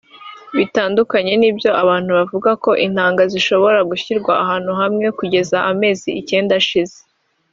Bitandukanye n’ibyo abantu bavuga ko intanga zishobora gushyirwa ahantu hamwe kugeza amezi icyenda ashize